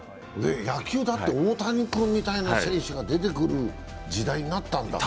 野球だって大谷君みたいな選手が出てくる時代になったんだから。